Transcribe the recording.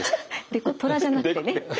デコトラじゃなくてね。